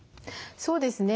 そうですね。